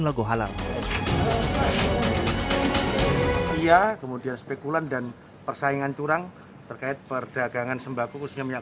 logo halal ia kemudian spekulan dan persaingan curang terkait perdagangan sembah kukusnya minyak